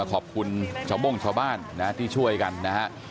ขอบคุณชาวโบ้งชาวบ้านนะที่ช่วยกันนะฮะ